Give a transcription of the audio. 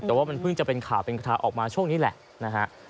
แต่ว่ามันเพิ่งจะเป็นข่าวเป็นกระทาออกมาช่วงนี้แหละนะฮะ